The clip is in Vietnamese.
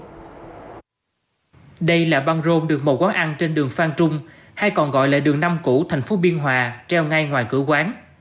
đây là băng rôn được một quán ăn trên đường phan trung hay còn gọi là đường năm cũ thành phố biên hòa treo ngay ngoài cửa quán